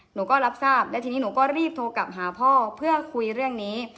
หนูก็รับทราบและทีนี้หนูก็รีบโทรกลับหาพ่อเพื่อคุยเรื่องนี้